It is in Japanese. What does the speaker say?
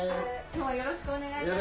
よろしくお願いします。